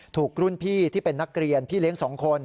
ถูกรุ่นพี่ที่เป็นนักเรียนพี่เลี้ยง๒คน